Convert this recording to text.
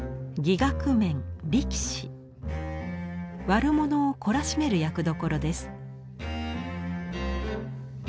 悪者を懲らしめる役どころです。